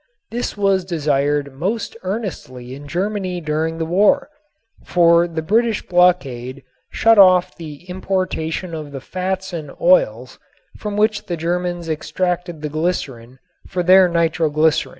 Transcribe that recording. This was desired most earnestly in Germany during the war, for the British blockade shut off the importation of the fats and oils from which the Germans extracted the glycerin for their nitroglycerin.